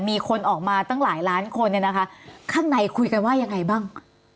มีคนออกมาตั้งหลายล้านคนเนี่ยนะคะข้างในคุยกันว่ายังไงบ้าง